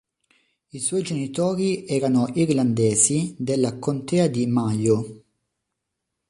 I suoi genitori erano irlandesi della Contea di Mayo.